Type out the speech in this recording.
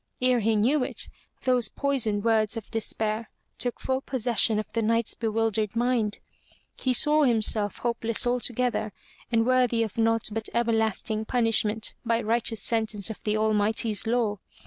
Ere he knew it, those poisoned words of despair took full possession of the Knight's bewildered mind. He saw himself hopeless altogether and worthy of naught but ever lasting punishment by righteous sentence of the Almighty's law.